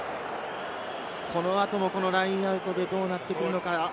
この後もラインアウトでどうなってくるのか。